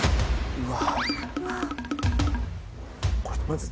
うわ。